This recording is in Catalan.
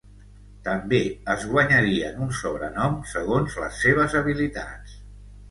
També es guanyarien un sobrenom segons les seves habilitats.